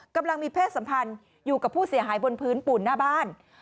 กำลังมีเพศสัมพันธ์อยู่กับผู้เสียหายบนพื้นปูนหน้าบ้าน